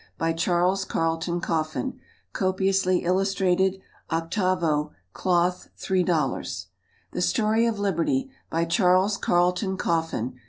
By CHARLES CARLETON COFFIN. Copiously Illustrated. 8vo, Cloth, $3.00. The Story of Liberty. By CHARLES CARLETON COFFIN.